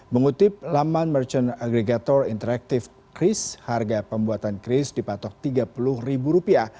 mengutip laman merchant aggregator interaktif kris harga pembuatan kris dipatok rp tiga puluh